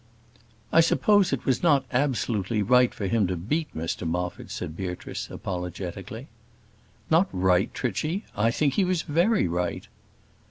"I suppose it was not absolutely right for him to beat Mr Moffat," said Beatrice, apologetically. "Not right, Trichy? I think he was very right."